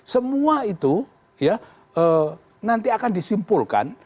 semua itu ya nanti akan disimpulkan